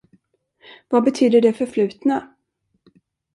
Vad betyder det förflutna?